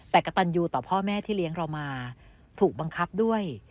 แต่กระตันยูต่อพ่อแม่ที่เลี้ยงเรามาถูกบังคับด้วย